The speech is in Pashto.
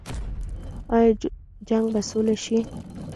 آیا جنګ به سوله شي؟